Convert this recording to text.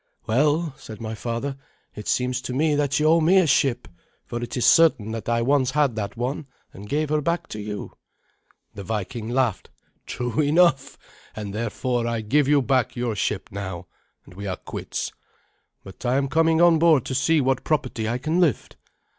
"Well," said my father, "it seems to me that you owe me a ship, for it is certain that I once had that one, and gave her back to you." The Viking laughed. "True enough, and therefore I give you back your ship now, and we are quits. But I am coming on board to see what property I can lift."